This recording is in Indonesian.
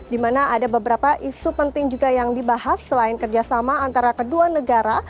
di mana ada beberapa isu penting juga yang dibahas selain kerjasama antara kedua negara